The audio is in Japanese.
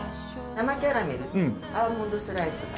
生キャラメルアーモンドスライスが。